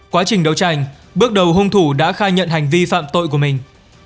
quá trình đấu tranh bước đầu hung thủ đã khai nhận hành vi phạm tội của mình